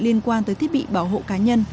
liên quan tới thiết bị bảo hộ cá nhân